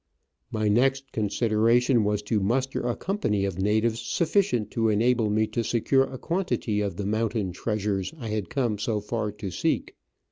My next consideration was to muster a company of natives sufficient to enable me to secure a quantity of the mountain treasures I had come so far to seek.